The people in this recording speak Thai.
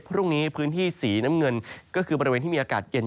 พรุ่งนี้พื้นที่สีน้ำเงินก็คือบริเวณที่มีอากาศเย็น